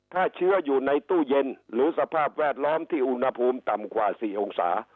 ถ้าเชื้ออยู่ในตู้เย็นหรือสภาพแวดล้อมที่อุณหภูมิต่ำกว่า๔องศา